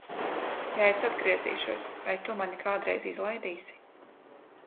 Ja es atgriezīšos, vai tu mani kādreiz izlaidīsi?